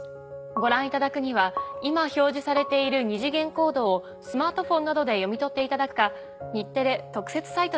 ご覧いただくには今表示されている二次元コードをスマートフォンなどで読み取っていただくか。